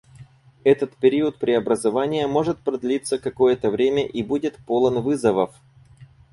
Этот период преобразования может продлиться какое-то время и будет полон вызовов.